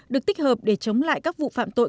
được tích hợp để chống lại các vụ phạm tội